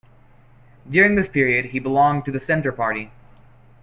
During this period he belonged to the Centre Party.